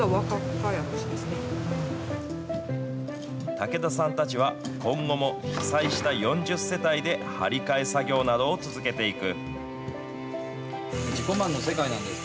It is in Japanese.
竹田さんたちは、今後も被災した４０世帯で、張り替え作業などを続けていく。